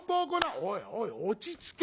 「おいおい落ち着け。